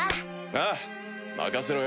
ああ任せろよ。